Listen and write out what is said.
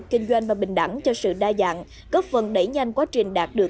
kinh doanh và bình đẳng cho sự đa dạng góp phần đẩy nhanh quá trình đạt được